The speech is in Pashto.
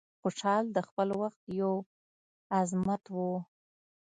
خوشحال د خپل وخت یو عظمت و.